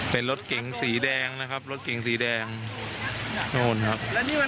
เป็นรถเก๋งสีแดงนะครับรถเก่งสีแดงนู่นครับ